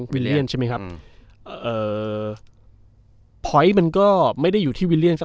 วิลเลียนใช่ไหมครับอืมเอ่อพอยต์มันก็ไม่ได้อยู่ที่วิลเลียนสัก